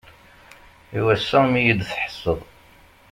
I wass-a mi yi-d-thesseḍ.